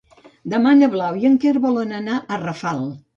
Demà na Blau i en Quer volen anar a Rafal.